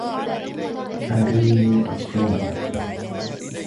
اريني الصورة!